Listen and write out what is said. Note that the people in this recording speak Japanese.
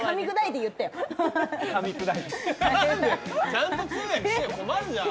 ちゃんと通訳してよ困るじゃん。